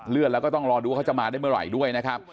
แล้วก็ต้องรอดูว่าเขาจะมาได้เมื่อไหร่ด้วยนะครับ